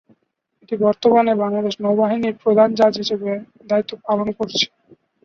এটি বর্তমানে বাংলাদেশ নৌ বাহিনীর "প্রধান জাহাজ" হিসেবে দায়িত্ব পালন করছে।